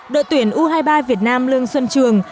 đội tuyển u hai mươi ba việt nam lương xuân trường